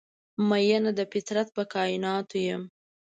میینه د فطرت په کائیناتو یم